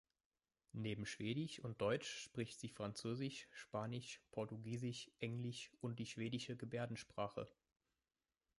Neben Schwedisch und Deutsch spricht sie Französisch, Spanisch, Portugiesisch, Englisch und die Schwedische Gebärdensprache.